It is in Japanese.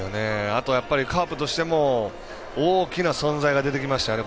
あとはカープとしても大きな存在が出てきましたよね